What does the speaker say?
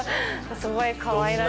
すごいかわいらしい。